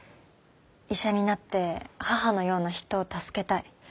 医者になって母のような人を助けたい。